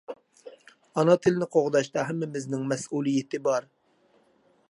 ئانا تىلنى قوغداشتا ھەممىمىزنىڭ مەسئۇلىيىتى بار.